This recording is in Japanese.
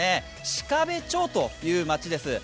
鹿部町という町です。